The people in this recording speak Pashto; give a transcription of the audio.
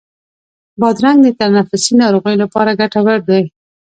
بادرنګ د تنفسي ناروغیو لپاره ګټور دی.